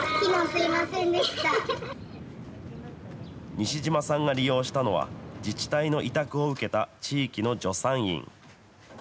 西島さんが利用したのは、自治体の委託を受けた、地域の助産院。